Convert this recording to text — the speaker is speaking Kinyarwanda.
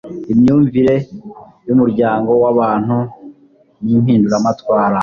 imyumvire y'umuryango w'abantu n'impinduramatwara